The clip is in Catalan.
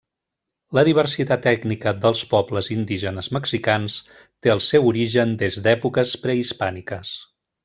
La diversitat ètnica dels pobles indígenes mexicans té el seu origen des d'èpoques prehispàniques.